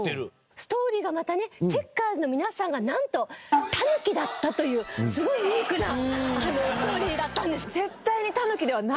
ストーリーがまたねチェッカーズの皆さんがなんとたぬきだったというすごいユニークなストーリーだったんです。